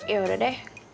ya udah deh